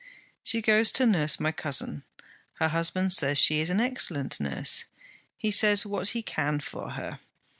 She goes to nurse my cousin. Her husband says she is an excellent nurse. He says what he can for her.